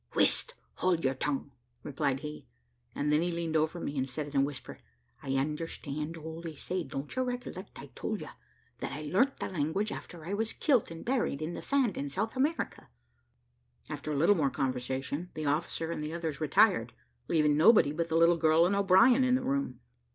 "Whist, hold your tongue," replied he; and then he leaned over me, and said in a whisper, "I understand all they say; don't you recollect, I told you that I learnt the language after I was kilt and buried in the sand in South America?" After a little more conversation, the officer and the others retired, leaving nobody but the little girl and O'Brien in the room.